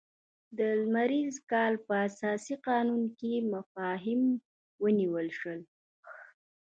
د لمریز کال په اساسي قانون کې مفاهیم ونیول شول.